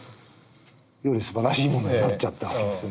よりすばらしいものになっちゃった訳ですね。